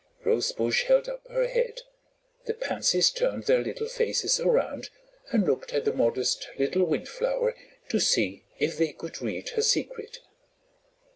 Rosebush held up her head, the Pansies turned their little faces around and looked at the modest little Windflower to see if they could read her secret.